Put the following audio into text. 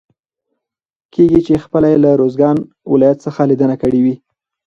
کېږي چې خپله يې له روزګان ولايت څخه ليدنه کړي وي.